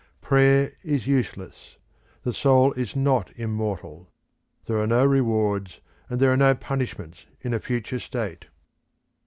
Prayer is useless. The soul is not immortal. There are no rewards and there are no punishments in a future state.